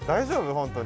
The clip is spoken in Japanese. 本当に。